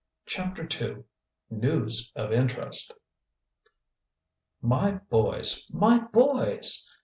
CHAPTER II NEWS OF INTEREST "My boys! my boys!"